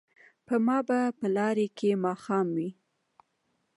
په ما به لاره کې ماښام وي